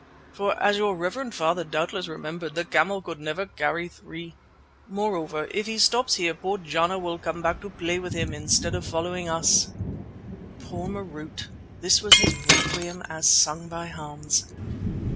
"For, as your reverend father doubtless remembered, the camel could never carry three. Moreover, if he stops here, perhaps Jana will come back to play with him instead of following us." Poor Marût! This was his requiem as sung by Hans.